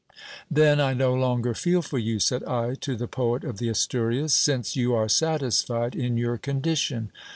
433 Then I no longer feel for you, said I to the poet of the Asturias, since you are satisfied in your condition.